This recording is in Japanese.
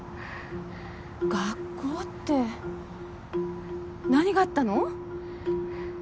学校って何があったの？